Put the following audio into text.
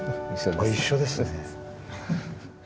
一緒ですね。